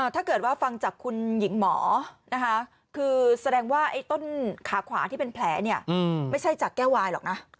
ถ้าเกิดว่าฟังจากคุณหญิงหมอนะคะคือแสดงว่าไอ้ต้นขาขวาที่เป็นแผลเนี่ยไม่ใช่จากแก้ววายหรอกนะ